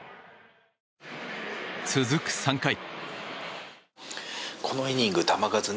続く３回。